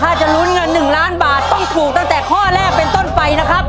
ถ้าจะลุ้นเงิน๑ล้านบาทต้องถูกตั้งแต่ข้อแรกเป็นต้นไปนะครับ